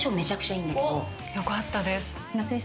よかったです。